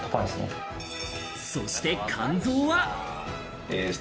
そして肝臓は。